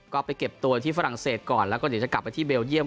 ก็ไปเก็บตัวที่ฝรั่งเศสก่อนแล้วก็เดี๋ยวจะกลับไปที่เบลเยี่